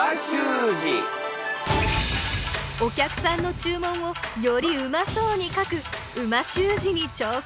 お客さんの注文をよりうまそうに書く美味しゅう字に挑戦。